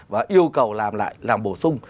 và yêu cầu làm lại làm bổ sung